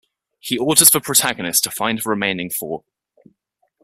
He orders the protagonist to find the remaining four.